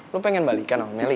lo pengen balikan sama meli